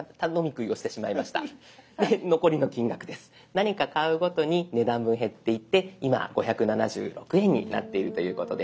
何か買うごとに値段分減っていって今５７６円になっているということです。